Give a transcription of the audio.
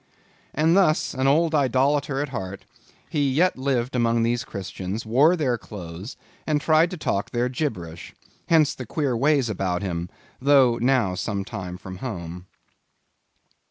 And thus an old idolator at heart, he yet lived among these Christians, wore their clothes, and tried to talk their gibberish. Hence the queer ways about him, though now some time from home.